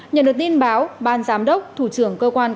nhận được tin báo ban giám đốc thủ trưởng cơ quan cảnh sát